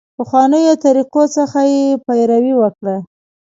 پخوانیو طریقو څخه یې پیروي وکړه.